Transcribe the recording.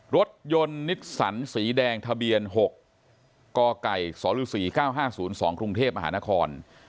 รถยนต์นิสสันสีแดงทะเบียน๖กกสศ๔๕๐๒ครุงเทพฯอาหารคล